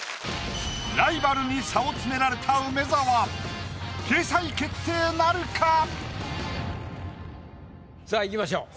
ライバルに差を詰められた梅沢掲載決定なるか⁉さあいきましょう。